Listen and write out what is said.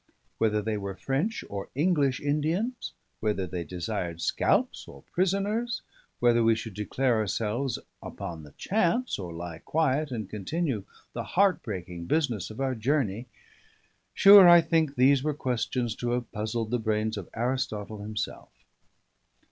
Whether they were French or English Indians, whether they desired scalps or prisoners, whether we should declare ourselves upon the chance, or lie quiet and continue the heart breaking business of our journey: sure, I think these were questions to have puzzled the brains of Aristotle himself.